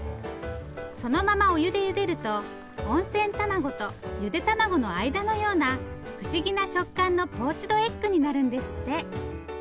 そのままお湯でゆでると温泉たまごとゆでたまごの間のような不思議な食感のポーチドエッグになるんですって。